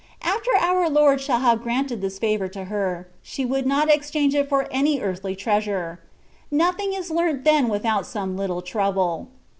After our Lord shall have granted this favour to her, she would jiot exchange it f<H* any earthly treasure : nothing is learnt then without some little trouble.